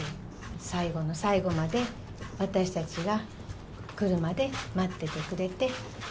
最後の最後まで私たちが来るまで待っててくれて。